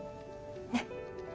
ねっ。